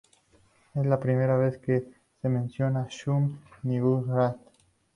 Es la primera vez que se menciona a Shub-Niggurath.